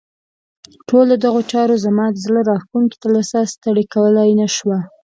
ټولو دغو چارو زما زړه راښکونکې تلوسه ستړې کولای نه شوه.